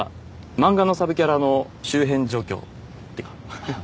漫画のサブキャラの周辺状況ってかはははっ